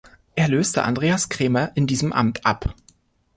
Er löste Andreas Krämer in diesem Amt ab.